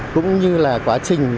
cũng như là quá trình